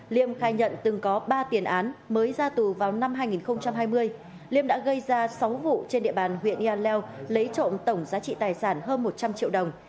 liêm khai nhận từng có ba tiền án mới ra tù vào năm hai nghìn hai mươi liêm đã gây ra sáu vụ trên địa bàn huyện yà leo lấy trộm tổng giá trị tài sản hơn một trăm linh triệu đồng